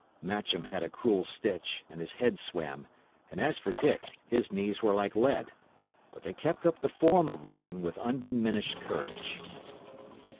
Matcham had a cruel stitch, and his head swam; and as for Dick, his knees were like lead. But they kept up the form of running with undiminished courage.